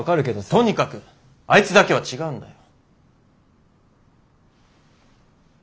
とにかくあいつだけは違うんだよ。